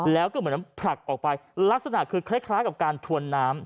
แล้วก็เหมือนผลักออกไปลักษณะคือคล้ายกับการถวนน้ำ